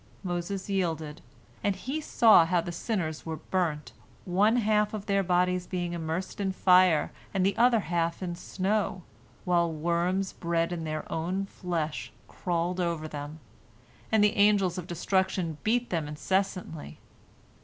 Moses yielded, and he saw how the sinners were burnt, one half of their bodies being immersed in fire and the other half in snow, while worms bred in their own flesh crawled over them, and the Angels of Destruction beat them incessantly.